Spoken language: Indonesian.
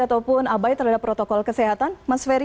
ataupun abai terhadap protokol kesehatan mas ferry